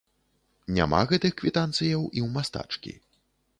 Няма гэтых квітанцыяў і ў мастачкі.